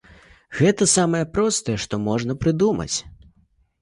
Гэта самае простае, што можна прыдумаць.